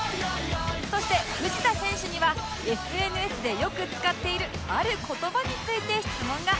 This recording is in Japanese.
そして藤田選手には ＳＮＳ でよく使っているある言葉について質問が